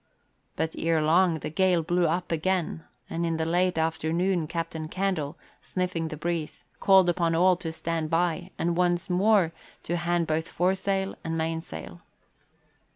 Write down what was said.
But ere long the gale blew up amain, and in the late afternoon Captain Candle, sniffing the breeze, called upon all to stand by and once more to hand both foresail and mainsail.